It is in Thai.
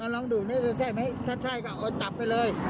ลองดูใช่ไหมใช่ออกจับไปเลย